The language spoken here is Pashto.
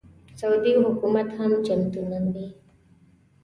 سعودي حکومت هم چمتو نه وي.